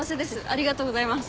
ありがとうございます。